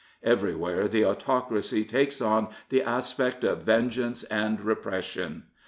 Everywhere the Autocracy takes on the aspect of vengeance and repression.